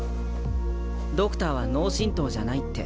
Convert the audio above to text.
ドクターは脳震とうじゃないって。